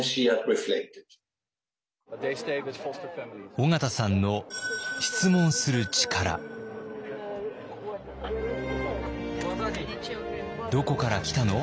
緒方さんの「どこから来たの？」